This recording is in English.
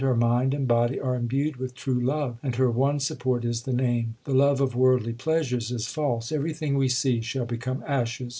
Her mind and body are imbued with true love, and her one support is the Name. The love of worldly pleasures is false ; everything we see shall become ashes.